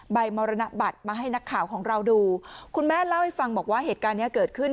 มรณบัตรมาให้นักข่าวของเราดูคุณแม่เล่าให้ฟังบอกว่าเหตุการณ์เนี้ยเกิดขึ้น